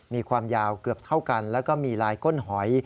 มีความยาวเกือบเท่ากันแล้วก็มีลายก้นหอย